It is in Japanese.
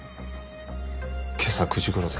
今朝９時頃です。